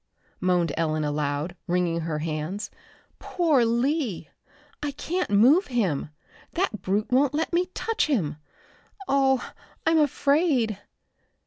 moaned Ellen aloud, wringing her hands. "Poor Lee! I can't move him. That brute won't let me touch him. Oh, I'm afraid!"